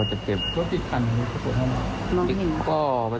มอเตอร์ไซคัน